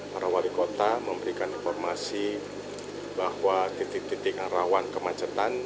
para wali kota memberikan informasi bahwa titik titik yang rawan kemacetan